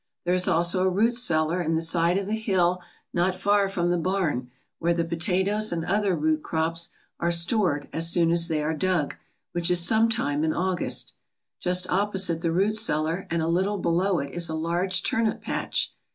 There is also a root cellar in the side of a hill not far from the barn, where the potatoes and other root crops are stored as soon as they are dug, which is some time in August. Just opposite the root cellar and a little below it is a large turnip patch.